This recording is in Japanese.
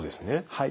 はい。